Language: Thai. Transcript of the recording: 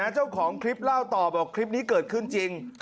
เจ้าของคลิปเล่าต่อบอกคลิปนี้เกิดขึ้นจริง